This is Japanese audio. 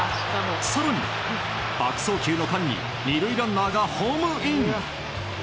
更に、悪送球の間に２塁ランナーがホームイン！